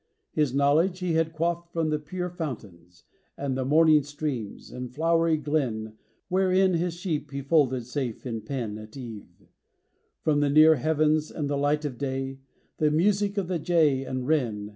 His knowledge he had quaffed from the pure foun tains, And the morning streams, and flowery glen Wherein his sheep he folded safe in pen At eve; from the near heavens, and the light Of day, the music of the jay and wren.